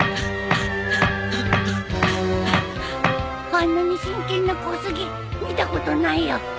あんなに真剣な小杉見たことないよ。